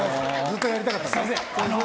ずっとやりたかったんですね。